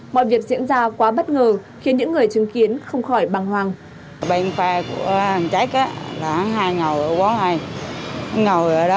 mọi việc diễn ra quá bất ngờ khiến những người chứng kiến không khỏi bằng hoàng